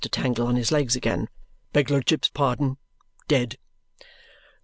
Tangle on his legs again. "Begludship's pardon dead."